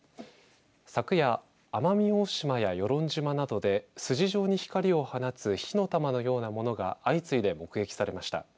昨夜、奄美大島や与論島などで筋状に光を放つ火の玉のような物が相次いで目撃されました。